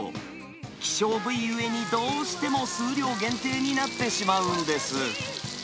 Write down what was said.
希少部位ゆえに、どうしても数量限定になってしまうんです。